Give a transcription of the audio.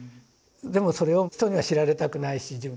でもそれを人には知られたくないし。